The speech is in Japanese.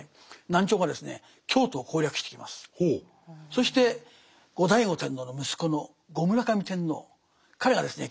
そして後醍醐天皇の息子の後村上天皇彼がですね